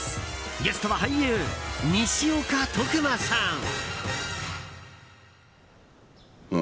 ゲストは俳優・西岡徳馬さん。